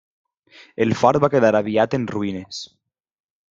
El fort va quedar aviat en ruïnes.